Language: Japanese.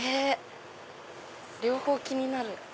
両方気になる！